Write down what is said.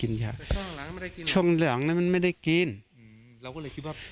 กินยาหลังนั้นมันไม่ได้กินเราก็เลยคิดว่า